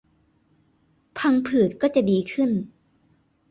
พังผืดก็จะดีขึ้น